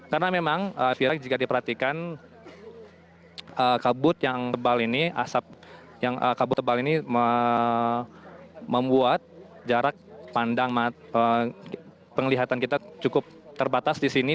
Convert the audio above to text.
karena memang jika diperhatikan kabut yang tebal ini membuat jarak pandang penglihatan kita cukup terbatas di sini